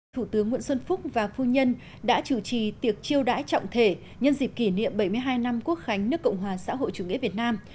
thủ tướng nguyễn xuân phúc và phu nhân đã chủ trì tiệc chiêu đãi trọng thể nhân dịp kỷ niệm bảy mươi hai năm quốc khánh nước cộng hòa xã hội chủ nghĩa việt nam